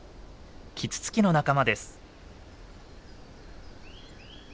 キツツキの仲間です。